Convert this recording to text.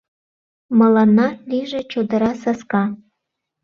Мыланна лийже чодыра саска.